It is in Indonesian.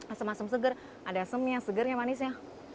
asem asem seger ada asemnya segernya manisnya